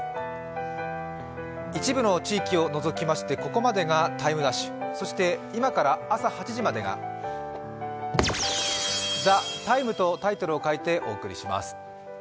一部の地域を除きましてここまでが「ＴＩＭＥ’」、そして今から朝８時までが「ＴＨＥＴＩＭＥ，」とタイトルを変えてお送りします。